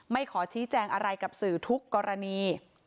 ขอชี้แจงอะไรกับสื่อทุกกรณี